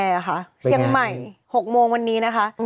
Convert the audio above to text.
เชียงใหม่๖โมงวันนี้นะคะ